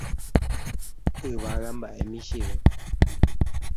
Yvága mba'e michĩve.